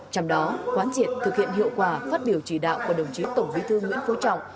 trong đó quán triệt thực hiện hiệu quả phát biểu chỉ đạo của đồng chí tổng bí thư nguyễn phú trọng